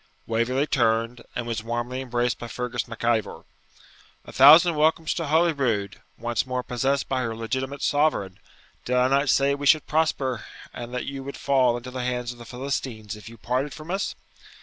Waverley turned, and was warmly embraced by Fergus Mac Ivor. 'A thousand welcomes to Holyrood, once more possessed by her legitimate sovereign! Did I not say we should prosper, and that you would fall into the hands of the Philistines if you parted from us?'